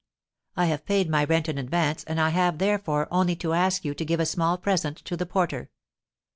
I have paid my rent in advance, and I have, therefore, only to ask you to give a small present to the porter.